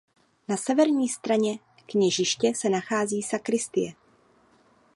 Na severní straně kněžiště se nachází sakristie.